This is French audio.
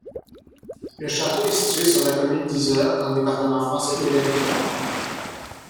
Le château est situé sur la commune d'Yzeure, dans le département français de l'Allier.